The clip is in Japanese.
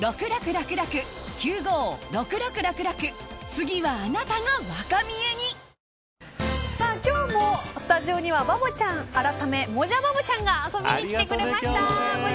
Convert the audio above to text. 次は、僕が紹介する今日もスタジオにはバボちゃんあらためもじゃバボちゃんが遊びに来てくれました。